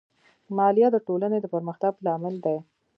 مالیه د ټولنې د پرمختګ لامل دی.